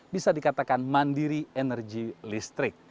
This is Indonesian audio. bisa dikatakan mandiri energi listrik